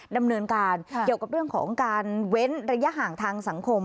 ดำเนินการเกี่ยวกับเรื่องของการเว้นระยะห่างทางสังคม